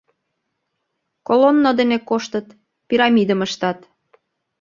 Колонно дене коштыт, пирамидым ыштат.